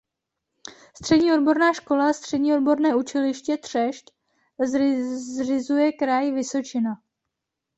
Střední odborná škola a Střední odborné učiliště Třešť zřizuje Kraj Vysočina.